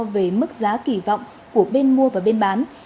về mức giá kỳ vọng của bên mua và bên bán